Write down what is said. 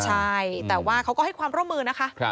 ใช่แต่ว่าเขาก็ให้ความร่วมมือนะคะ